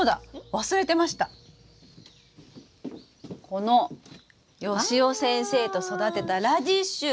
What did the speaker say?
このよしお先生と育てたラディッシュ！